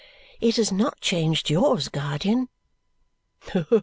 "It has not changed yours, guardian."